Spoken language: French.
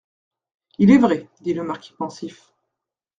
Il est vrai, dit le marquis pensif.